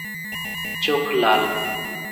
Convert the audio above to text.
চোখ লাল।